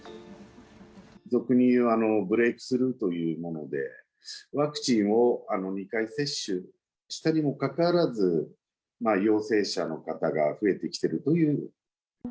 俗にいうブレークスルーというもので、ワクチンを２回接種したにもかかわらず、陽性者の方が増えてきているという。